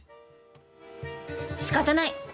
しかたない！